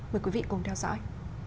mời quý vị cùng theo dõi